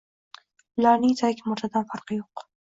Ularning tirik murdadan farqi yo‘q.